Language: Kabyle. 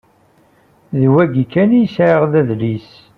D wa kan i sɛiɣ d adlis.